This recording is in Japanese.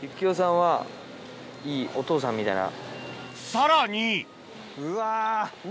さらにうわ。